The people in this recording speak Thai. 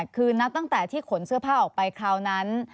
คือนับตั้งแต่ที่ขนเสื้อผ้าออกไปคราวนั้น